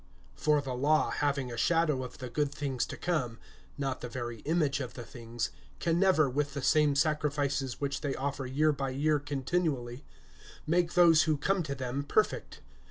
FOR the law having a shadow of the good things to come, not the very image of the things, can never, with the same sacrifices which they offer year by year continually, make those who come to them[10:1] perfect.